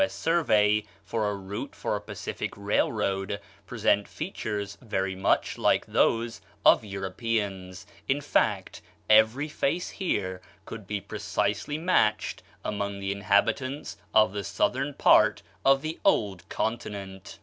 S. Survey for a Route for a Pacific Railroad," present features very much like those of Europeans; in fact, every face here could be precisely matched among the inhabitants of the southern part of the old continent.